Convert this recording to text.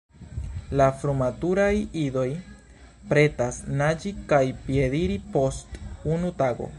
La frumaturaj idoj pretas naĝi kaj piediri post unu tago.